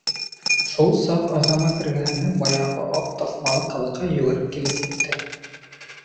Шул саҡ Азамат эргәһенә баяғы аҡ таҫмалы ҡыҙыҡай йүгереп килеп етте.